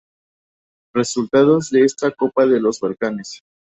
Resultados de esta Copa de los Balcanes